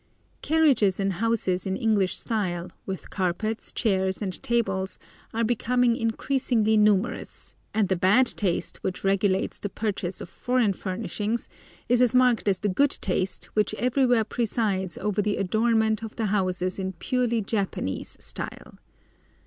Carriages and houses in English style, with carpets, chairs, and tables, are becoming increasingly numerous, and the bad taste which regulates the purchase of foreign furnishings is as marked as the good taste which everywhere presides over the adornment of the houses in purely Japanese style.